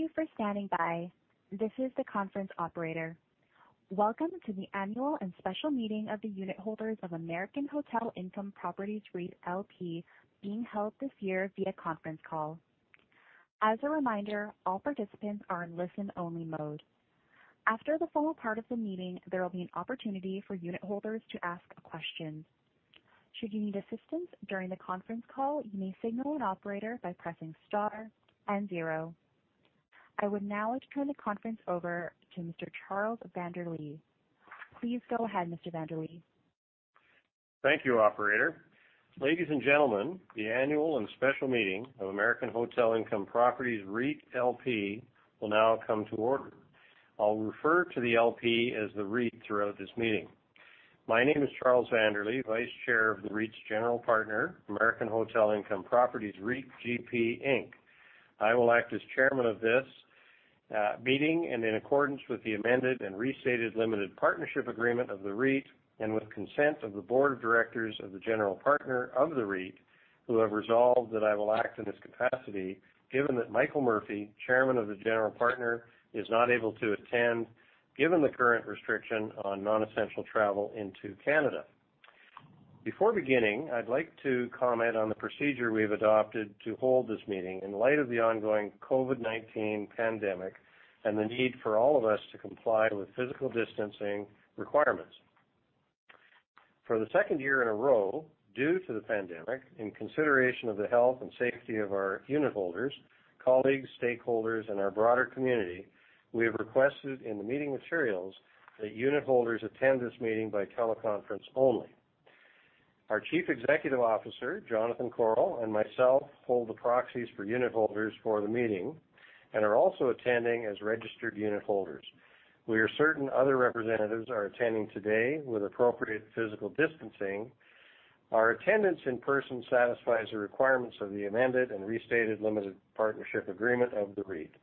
Thank you for standing by. This is the conference operator. Welcome to the annual and special meeting of the unitholders of American Hotel Income Properties REIT LP, being held this year via conference call. As a reminder, all participants are in listen-only mode. After the formal part of the meeting, there will be an opportunity for unitholders to ask questions. Should you need assistance during the conference call, you may signal an operator by pressing star and zero. I would now like to turn the conference over to Mr. Charles van der Lee. Please go ahead, Mr. van der Lee. Thank you, operator. Ladies and gentlemen, the annual and special meeting of American Hotel Income Properties REIT LP will now come to order. I'll refer to the LP as the REIT throughout this meeting. My name is Charles van der Lee, Vice Chair of the REIT's general partner, American Hotel Income Properties REIT GP Inc. I will act as Chairman of this meeting and in accordance with the amended and restated limited partnership agreement of the REIT, and with consent of the board of directors of the general partner of the REIT, who have resolved that I will act in this capacity, given that Michael Murphy, Chairman of the general partner, is not able to attend, given the current restriction on non-essential travel into Canada. Before beginning, I'd like to comment on the procedure we've adopted to hold this meeting in light of the ongoing COVID-19 pandemic and the need for all of us to comply with physical distancing requirements. For the second year in a row, due to the pandemic, in consideration of the health and safety of our unitholders, colleagues, stakeholders, and our broader community, we have requested in the meeting materials that unitholders attend this meeting by teleconference only. Our Chief Executive Officer, Jonathan Korol, and myself, hold the proxies for unitholders for the meeting and are also attending as registered unitholders. We are certain other representatives are attending today with appropriate physical distancing. Our attendance in person satisfies the requirements of the amended and restated limited partnership agreement of the REIT.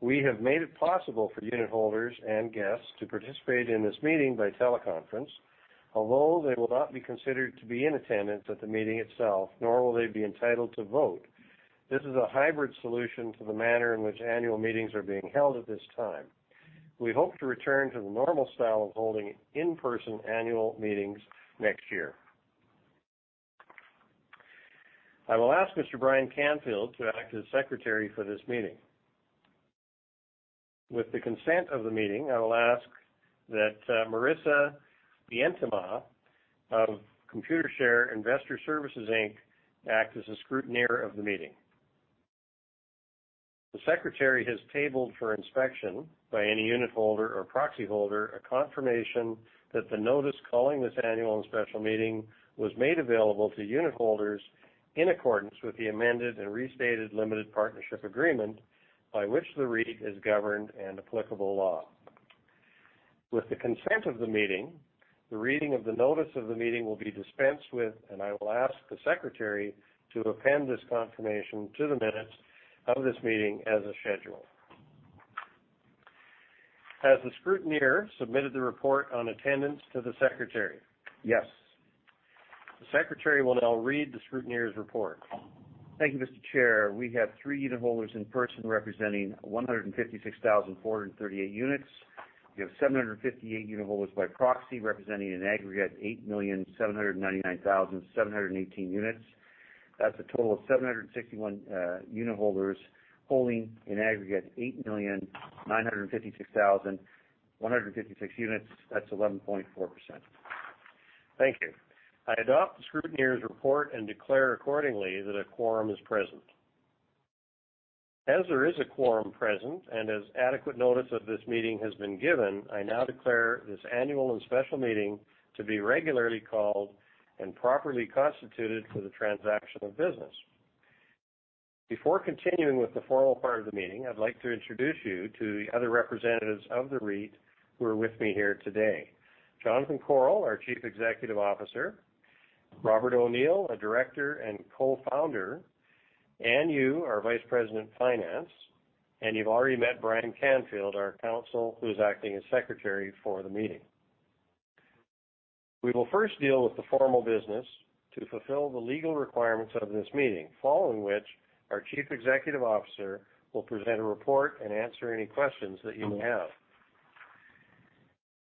We have made it possible for unitholders and guests to participate in this meeting by teleconference, although they will not be considered to be in attendance at the meeting itself, nor will they be entitled to vote. This is a hybrid solution to the manner in which annual meetings are being held at this time. We hope to return to the normal style of holding in-person annual meetings next year. I will ask Mr. Brian Canfield to act as secretary for this meeting. With the consent of the meeting, I will ask that Marissa Beintema of Computershare Investor Services, Inc. act as a scrutineer of the meeting. The secretary has tabled for inspection by any unitholder or proxyholder, a confirmation that the notice calling this annual and special meeting was made available to unitholders in accordance with the amended and restated limited partnership agreement by which the REIT is governed and applicable law. With the consent of the meeting, the reading of the notice of the meeting will be dispensed with, and I will ask the secretary to append this confirmation to the minutes of this meeting as a schedule. Has the scrutineer submitted the report on attendance to the secretary? Yes. The secretary will now read the scrutineer's report. Thank you, Mr. Chair. We have three unitholders in person representing 156,438 units. We have 758 unitholders by proxy, representing an aggregate 8,799,718 units. That's a total of 761 unitholders holding an aggregate 8,956,156 units. That's 11.4%. Thank you. I adopt the scrutineer's report and declare accordingly that a quorum is present. As there is a quorum present and as adequate notice of this meeting has been given, I now declare this annual and special meeting to be regularly called and properly constituted for the transaction of business. Before continuing with the formal part of the meeting, I'd like to introduce you to the other representatives of the REIT who are with me here today. Jonathan Korol, our Chief Executive Officer, Robert O'Neill, a Director and Co-founder, Anne Yu, our Vice President of Finance, and you've already met Brian Canfield, our counsel, who is acting as secretary for the meeting. We will first deal with the formal business to fulfill the legal requirements of this meeting, following which, our Chief Executive Officer will present a report and answer any questions that you may have.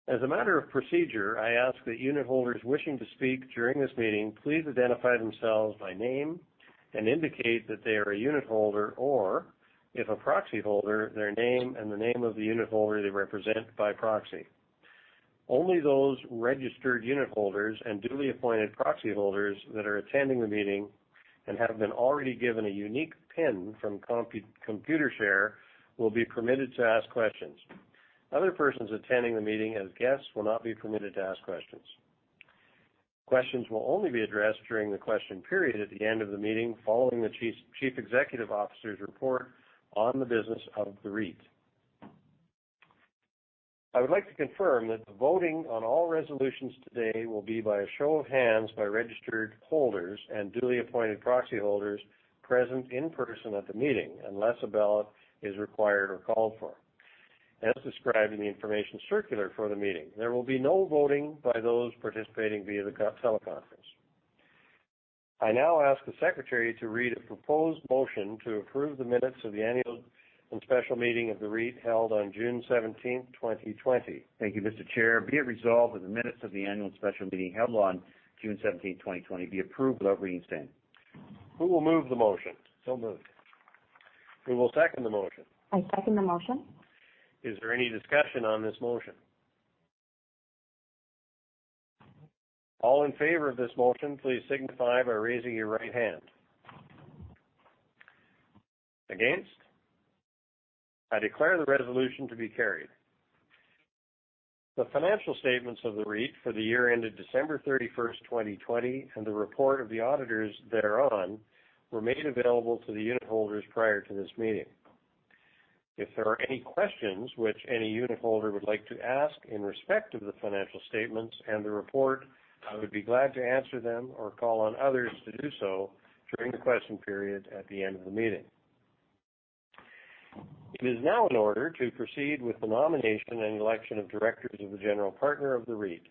As a matter of procedure, I ask that unitholders wishing to speak during this meeting please identify themselves by name and indicate that they are a unitholder or, if a proxyholder, their name and the name of the unitholder they represent by proxy. Only those registered unitholders and duly appointed proxyholders that are attending the meeting and have been already given a unique pin from Computershare, will be permitted to ask questions. Other persons attending the meeting as guests will not be permitted to ask questions. Questions will only be addressed during the question period at the end of the meeting, following the Chief Executive Officer's report on the business of the REIT. I would like to confirm that the voting on all resolutions today will be by a show of hands by registered holders and duly appointed proxyholders present in person at the meeting, unless a ballot is required or called for, as described in the information circular for the meeting. There will be no voting by those participating via the teleconference. I now ask the Secretary to read a proposed motion to approve the minutes of the annual and special meeting of the REIT, held on June 17th, 2020. Thank you, Mr. Chair. Be it resolved that the minutes of the annual and special meeting held on June 17th, 2020, be approved without reading stand. Who will move the motion? Moved. Who will second the motion? I second the motion. Is there any discussion on this motion? All in favor of this motion, please signify by raising your right hand. Against? I declare the resolution to be carried. The financial statements of the REIT for the year ended December 31st, 2020, and the report of the auditors thereon, were made available to the unitholders prior to this meeting. If there are any questions which any unitholder would like to ask in respect of the financial statements and the report, I would be glad to answer them, or call on others to do so during the question period at the end of the meeting. It is now in order to proceed with the nomination and election of directors of the general partner of the REIT.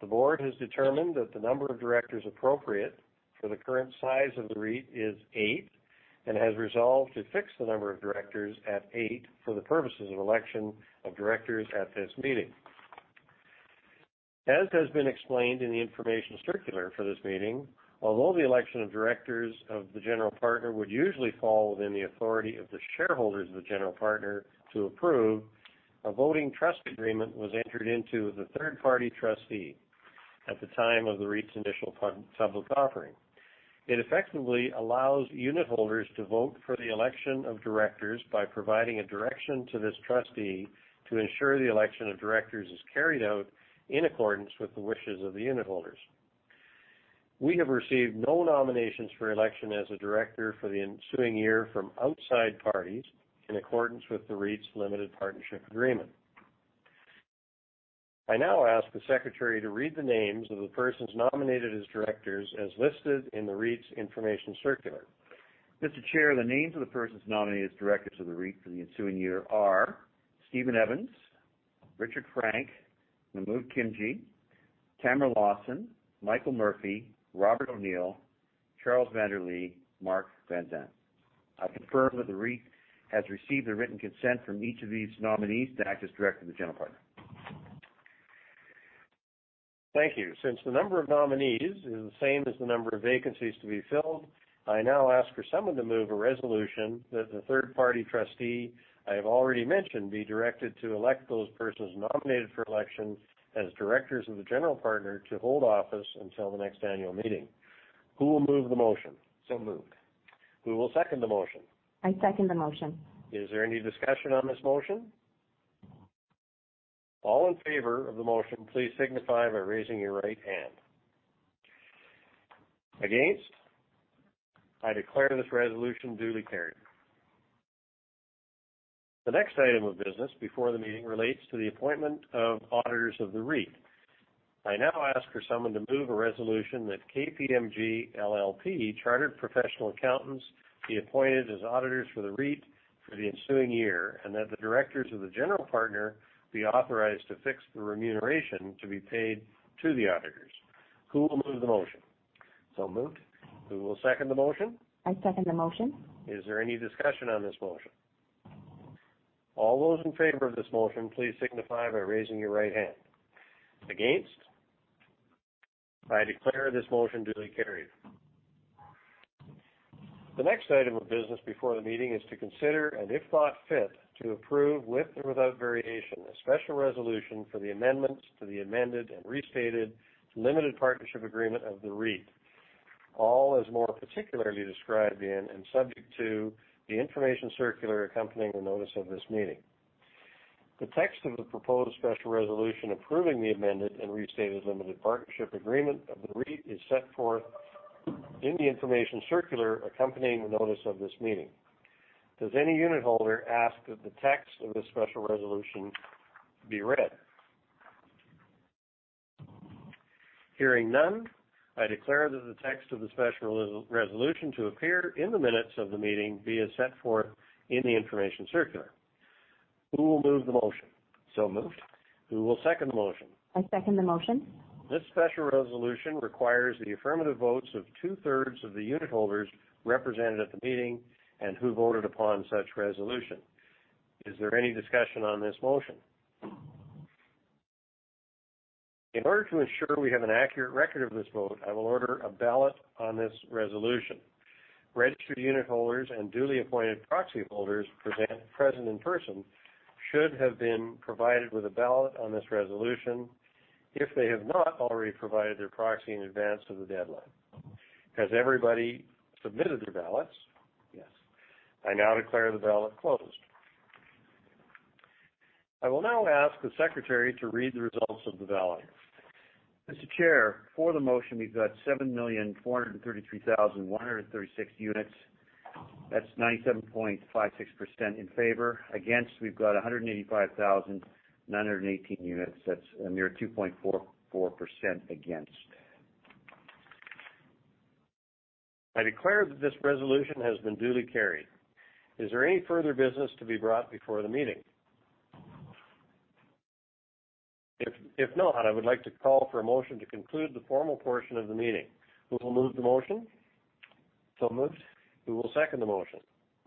The board has determined that the number of directors appropriate for the current size of the REIT is eight, and has resolved to fix the number of directors at eight for the purposes of election of directors at this meeting. As has been explained in the information circular for this meeting, although the election of directors of the general partner would usually fall within the authority of the shareholders of the general partner to approve, a voting trust agreement was entered into with a third-party trustee at the time of the REIT's initial public offering. It effectively allows unitholders to vote for the election of directors by providing a direction to this trustee to ensure the election of directors is carried out in accordance with the wishes of the unitholders. We have received no nominations for election as a director for the ensuing year from outside parties, in accordance with the REIT's limited partnership agreement. I now ask the secretary to read the names of the persons nominated as directors, as listed in the REIT's information circular. Mr. Chair, the names of the persons nominated as directors of the REIT for the ensuing year are: Stephen Evans, Richard Frank, Mahmood Khimji, Tamara Lawson, Michael Murphy, Robert O'Neill, Charles van der Lee, Mark Van Zandt. I confirm that the REIT has received a written consent from each of these nominees to act as director of the general partner. Thank you. Since the number of nominees is the same as the number of vacancies to be filled, I now ask for someone to move a resolution that the third-party trustee I have already mentioned, be directed to elect those persons nominated for election as directors of the General Partner, to hold office until the next annual meeting. Who will move the motion? Moved. Who will second the motion? I second the motion. Is there any discussion on this motion? All in favor of the motion, please signify by raising your right hand. Against? I declare this resolution duly carried. The next item of business before the meeting relates to the appointment of auditors of the REIT. I now ask for someone to move a resolution that KPMG LLP, chartered professional accountants, be appointed as auditors for the REIT for the ensuing year, and that the directors of the general partner be authorized to fix the remuneration to be paid to the auditors. Who will move the motion? Moved. Who will second the motion? I second the motion. Is there any discussion on this motion? All those in favor of this motion, please signify by raising your right hand. Against? I declare this motion duly carried. The next item of business before the meeting is to consider, and if thought fit, to approve, with or without variation, a special resolution for the amendments to the amended and restated limited partnership agreement of the REIT. All, as more particularly described in, and subject to the information circular accompanying the notice of this meeting. The text of the proposed special resolution approving the amended and restated limited partnership agreement of the REIT is set forth in the information circular accompanying the notice of this meeting. Does any unitholder ask that the text of the special resolution be read? Hearing none, I declare that the text of the special resolution to appear in the minutes of the meeting be as set forth in the information circular. Who will move the motion? Moved. Who will second the motion? I second the motion. This special resolution requires the affirmative votes of two-thirds of the unitholders represented at the meeting, and who voted upon such resolution. Is there any discussion on this motion? In order to ensure we have an accurate record of this vote, I will order a ballot on this resolution. Registered unitholders and duly appointed proxy holders present in person should have been provided with a ballot on this resolution, if they have not already provided their proxy in advance of the deadline. Has everybody submitted their ballots? Yes. I now declare the ballot closed. I will now ask the secretary to read the results of the ballot. Mr. Chair, for the motion, we've got 7,433,136 units. That's 97.56% in favor. Against, we've got 185,918 units. That's a mere 2.44% against. I declare that this resolution has been duly carried. Is there any further business to be brought before the meeting? If not, I would like to call for a motion to conclude the formal portion of the meeting. Who will move the motion? So moved. Who will second the motion?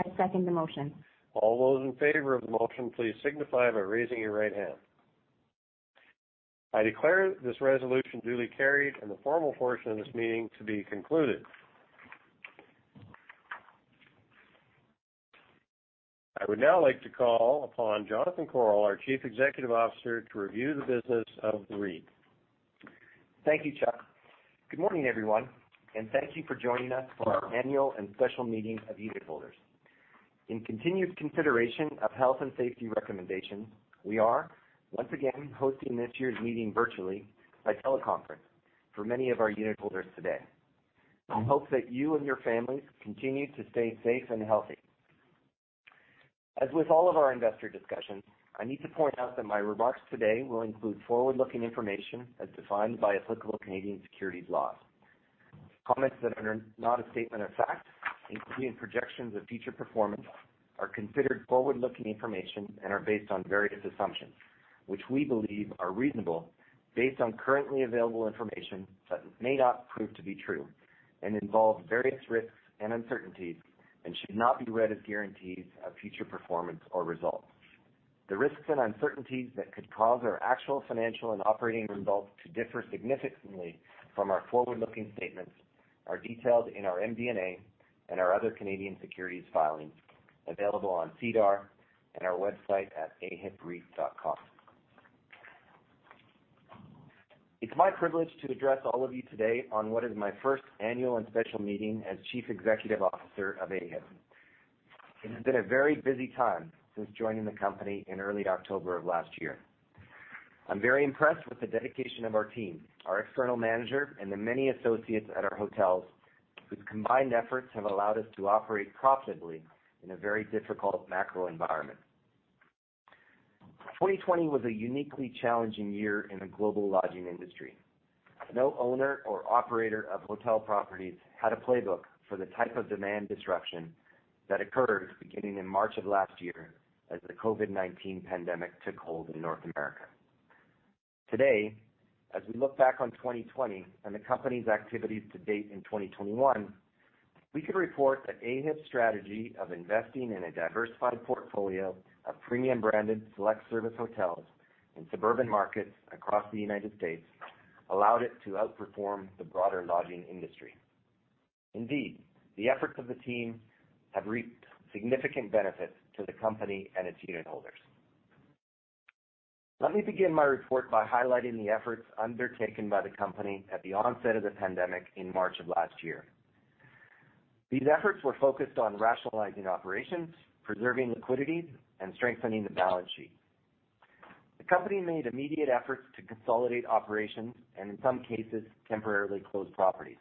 I second the motion. All those in favor of the motion, please signify by raising your right hand. I declare this resolution duly carried, the formal portion of this meeting to be concluded. I would now like to call upon Jonathan Korol, our Chief Executive Officer, to review the business of the REIT. Thank you, Chuck. Good morning, everyone, and thank you for joining us for our annual and special meeting of unitholders. In continued consideration of health and safety recommendations, we are once again hosting this year's meeting virtually by teleconference for many of our unitholders today. I hope that you and your families continue to stay safe and healthy. As with all of our investor discussions, I need to point out that my remarks today will include forward-looking information as defined by applicable Canadian Securities Laws. Comments that are not a statement of fact, including projections of future performance, are considered forward-looking information and are based on various assumptions, which we believe are reasonable, based on currently available information that may not prove to be true, and involve various risks and uncertainties and should not be read as guarantees of future performance or results. The risks and uncertainties that could cause our actual financial and operating results to differ significantly from our forward-looking statements are detailed in our MD&A and our other Canadian securities filings, available on SEDAR and our website at ahipreit.com. It's my privilege to address all of you today on what is my first annual and special meeting as chief executive officer of AHIP. It has been a very busy time since joining the company in early October of last year. I'm very impressed with the dedication of our team, our external manager, and the many associates at our hotels, whose combined efforts have allowed us to operate profitably in a very difficult macro environment. 2020 was a uniquely challenging year in the global lodging industry. No owner or operator of hotel properties had a playbook for the type of demand disruption that occurred beginning in March of last year, as the COVID-19 pandemic took hold in North America. Today, as we look back on 2020 and the company's activities to date in 2021, we can report that AHIP's strategy of investing in a diversified portfolio of premium-branded select service hotels in suburban markets across the United States, allowed it to outperform the broader lodging industry. Indeed, the efforts of the team have reaped significant benefits to the company and its unitholders. Let me begin my report by highlighting the efforts undertaken by the company at the onset of the pandemic in March of last year. These efforts were focused on rationalizing operations, preserving liquidity, and strengthening the balance sheet. The company made immediate efforts to consolidate operations and, in some cases, temporarily closed properties.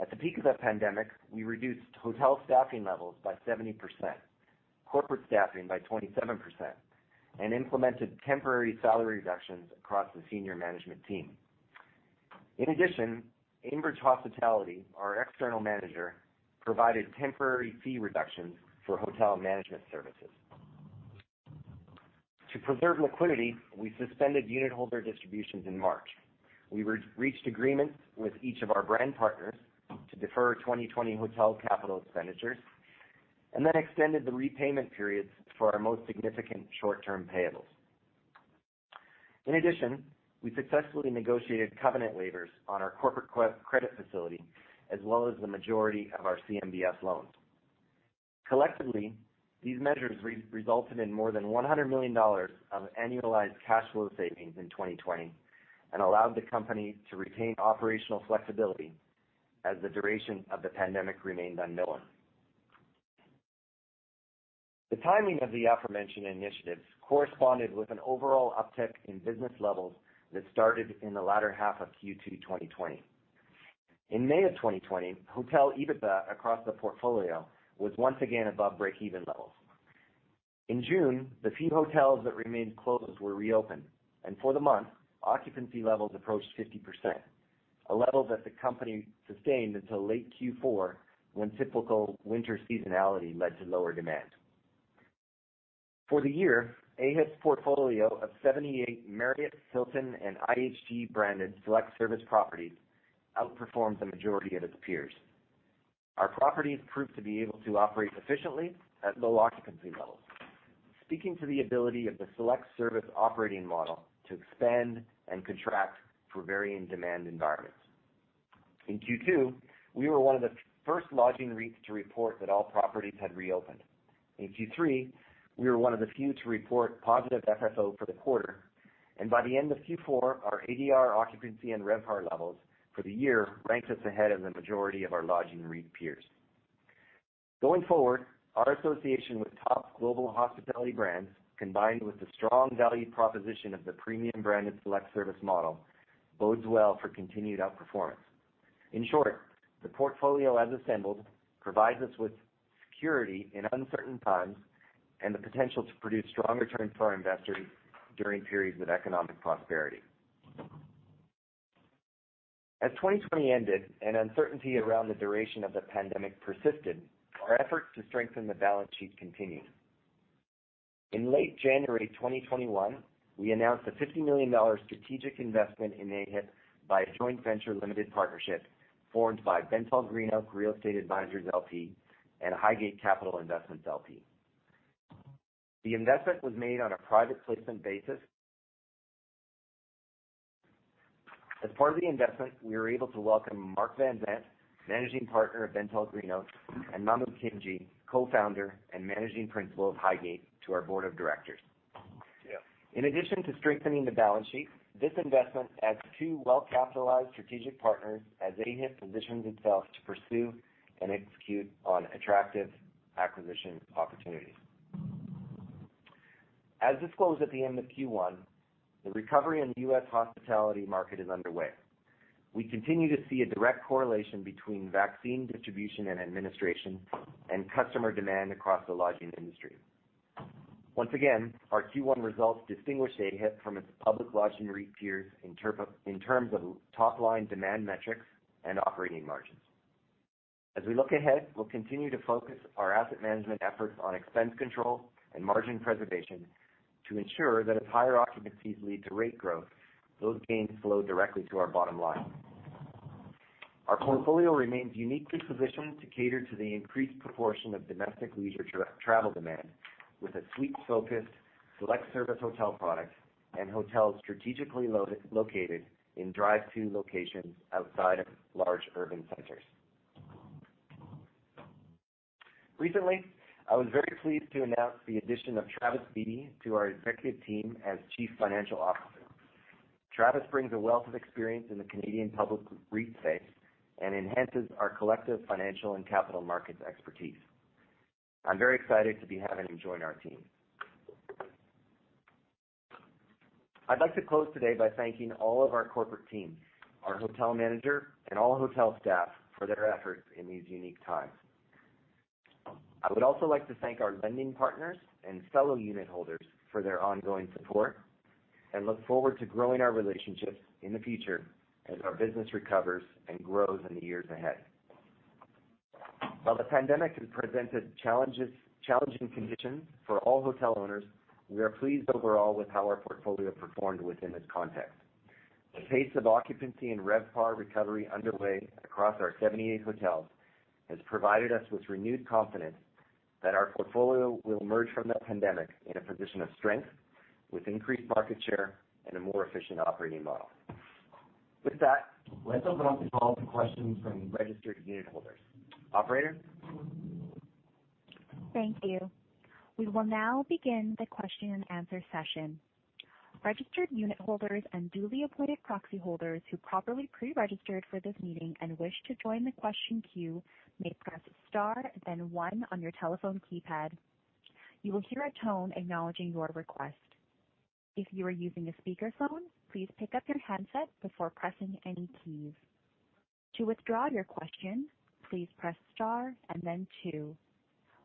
At the peak of the pandemic, we reduced hotel staffing levels by 70%, corporate staffing by 27%, and implemented temporary salary reductions across the senior management team. Aimbridge Hospitality, our external manager, provided temporary fee reductions for hotel management services. To preserve liquidity, we suspended unitholder distributions in March. We reached agreements with each of our brand partners to defer 2020 hotel capital expenditures, and then extended the repayment periods for our most significant short-term payables. We successfully negotiated covenant waivers on our corporate credit facility, as well as the majority of our CMBS loans. Collectively, these measures re-resulted in more than $100 million of annualized cash flow savings in 2020, and allowed the company to retain operational flexibility as the duration of the pandemic remained unknown. The timing of the aforementioned initiatives corresponded with an overall uptick in business levels that started in the latter half of Q2 2020. In May of 2020, hotel EBITDA across the portfolio was once again above breakeven levels. In June, the few hotels that remained closed were reopened, and for the month, occupancy levels approached 50%, a level that the company sustained until late Q4, when typical winter seasonality led to lower demand. For the year, AHIP's portfolio of 78 Marriott, Hilton, and IHG-branded select service properties outperformed the majority of its peers. Our properties proved to be able to operate efficiently at low occupancy levels, speaking to the ability of the select service operating model to expand and contract for varying demand environments. In Q2, we were one of the first lodging REITs to report that all properties had reopened. In Q3, we were one of the few to report positive FFO for the quarter, and by the end of Q4, our ADR occupancy and RevPAR levels for the year ranked us ahead of the majority of our lodging REIT peers. Going forward, our association with top global hospitality brands, combined with the strong value proposition of the premium branded select service model, bodes well for continued outperformance. In short, the portfolio, as assembled, provides us with security in uncertain times and the potential to produce strong returns for our investors during periods of economic prosperity. As 2020 ended and uncertainty around the duration of the pandemic persisted, our efforts to strengthen the balance sheet continued. In late January 2021, we announced a $50 million strategic investment in AHIP by a joint venture limited partnership formed by BentallGreenOak Real Estate Advisors LP, and Highgate Capital Investments, LP. The investment was made on a private placement basis. As part of the investment, we were able to welcome Mark Van Zandt, Managing Partner of BentallGreenOak, and Mahmood Khimji, Co-Founder and Managing Principal of Highgate, to our board of directors. In addition to strengthening the balance sheet, this investment adds two well-capitalized strategic partners as AHIP positions itself to pursue and execute on attractive acquisition opportunities. As disclosed at the end of Q1, the recovery in the U.S. hospitality market is underway. We continue to see a direct correlation between vaccine distribution and administration and customer demand across the lodging industry. Once again, our Q1 results distinguish AHIP from its public lodging REIT peers in terms of top-line demand metrics and operating margins. As we look ahead, we'll continue to focus our asset management efforts on expense control and margin preservation to ensure that as higher occupancies lead to rate growth, those gains flow directly to our bottom line. Our portfolio remains uniquely positioned to cater to the increased proportion of domestic leisure travel demand, with a suite-focused, select service hotel product and hotels strategically located in drive-to locations outside of large urban centers. Recently, I was very pleased to announce the addition of Travis Beatty to our executive team as Chief Financial Officer. Travis brings a wealth of experience in the Canadian public REIT space and enhances our collective financial and capital markets expertise. I'm very excited to be having him join our team. I'd like to close today by thanking all of our corporate teams, our hotel manager, and all hotel staff for their efforts in these unique times. I would also like to thank our lending partners and fellow unitholders for their ongoing support, and look forward to growing our relationships in the future as our business recovers and grows in the years ahead. While the pandemic has presented challenges, challenging conditions for all hotel owners, we are pleased overall with how our portfolio performed within this context. The pace of occupancy and RevPAR recovery underway across our 78 hotels has provided us with renewed confidence that our portfolio will emerge from the pandemic in a position of strength, with increased market share and a more efficient operating model. Let's open up the call to questions from registered unitholders. Operator? Thank you. We will now begin the question and answer session. Registered unitholders and duly appointed proxy holders who properly pre-registered for this meeting and wish to join the question queue may press star and then one on your telephone keypad. You will hear a tone acknowledging your request. If you are using a speakerphone, please pick up your handset before pressing any keys. To withdraw your question, please press star and then two.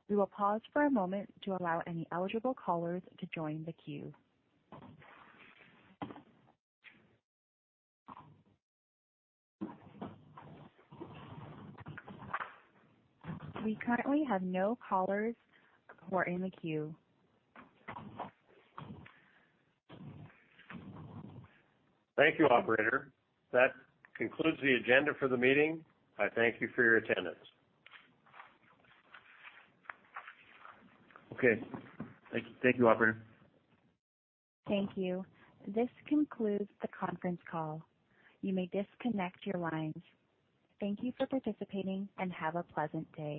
We will pause for a moment to allow any eligible callers to join the queue. We currently have no callers who are in the queue. Thank you, operator. That concludes the agenda for the meeting. I thank you for your attendance. Okay. Thank you, thank you, operator. Thank you. This concludes the conference call. You may disconnect your lines. Thank you for participating, and have a pleasant day.